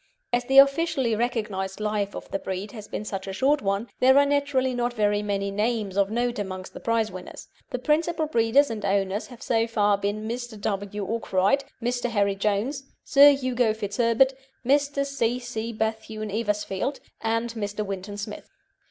As the officially recognised life of the breed has been such a short one, there are naturally not very many names of note among the prize winners. The principal breeders and owners have so far been Mr. W. Arkwright, Mr. Harry Jones, Sir Hugo FitzHerbert, Mr. C. C. Bethune Eversfield, and Mr. Winton Smith.